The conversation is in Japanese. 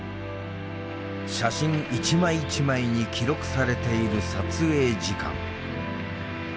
写真一枚一枚に記録されている撮影時間。